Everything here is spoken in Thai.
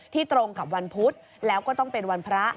ตรงกับวันพุธแล้วก็ต้องเป็นวันพระ